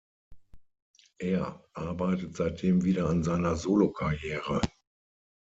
Er arbeitet seitdem wieder an seiner Solo-Karriere.